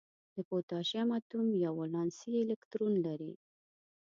د پوتاشیم اتوم یو ولانسي الکترون لري.